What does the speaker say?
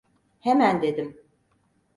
Hemen dedim!